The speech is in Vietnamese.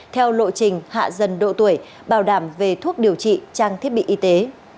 theo lộ trình hạ dần độ tuổi bảo đảm về thuốc điều trị trang thiết bị y tế